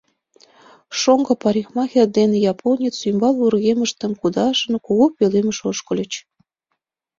Шоҥго парикмахер ден японец, ӱмбал вургемыштым кудашын, кугу пӧлемыш ошкыльыч.